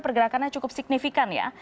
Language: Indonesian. pergerakannya cukup signifikan ya